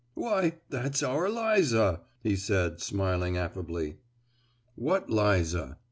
Why that's our Liza!" he said, smiling affably. "What Liza?"